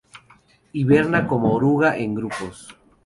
Hiberna como oruga, en grupos.